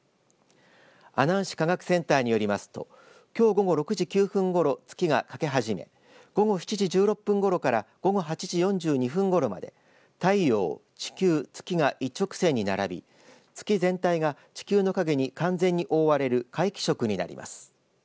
阿南市科学センターによりますときょう午後６時９分ごろ月が欠け始め午後７時１６分ごろから午後８時４２分ごろまで太陽、地球、月が一直線に並び月全体が地球の影に完全に覆われる皆既食になります。